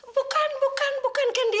bukan bukan bukan kendi